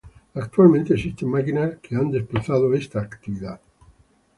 Actualmente existen máquinas que han desplazado esta actividad.